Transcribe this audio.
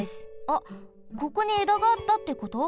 あここにえだがあったってこと？